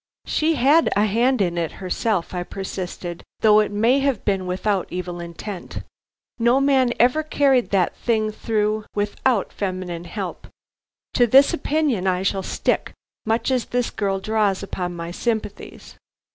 "She had a hand in it herself," I persisted; "though it may have been without evil intent. No man ever carried that thing through without feminine help. To this opinion I shall stick, much as this girl draws upon my sympathies."